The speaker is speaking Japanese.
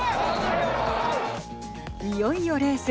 いよいよレース。